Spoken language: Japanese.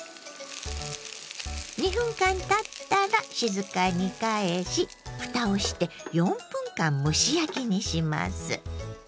２分間たったら静かに返しふたをして４分間蒸し焼きにします。